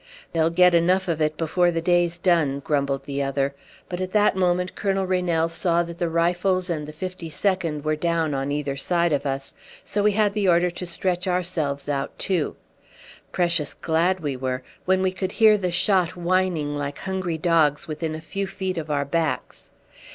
"They'll get enough of it before the day's done," grumbled the other; but at that moment Colonel Reynell saw that the Rifles and the 52nd were down on either side of us, so we had the order to stretch ourselves out too. Precious glad we were when we could hear the shot whining like hungry dogs within a few feet of our backs.